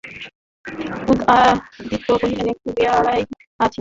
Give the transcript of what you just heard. উদয়াদিত্য কহিলেন, একটু বেড়াইয়া আসি।